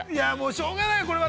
◆しょうがないよ、これは。